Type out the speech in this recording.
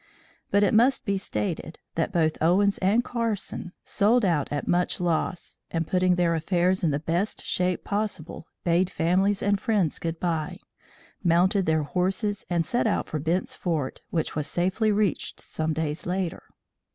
But it must be stated that both Owens and Carson sold out at much loss, and, putting their affairs in the best shape possible, bade families and friends goodbye, mounted their horses and set out for Bent's Fort which was safely reached some days later.